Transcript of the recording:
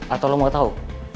atau lo mau tau